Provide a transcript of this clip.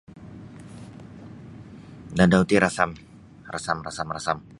Dadau ti rasam rasam rasam rasam.